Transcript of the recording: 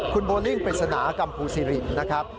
คุณโบลิ่งปริศนากัมภูซิรินนะครับ